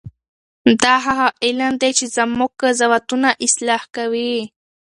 دا هغه علم دی چې زموږ قضاوتونه اصلاح کوي.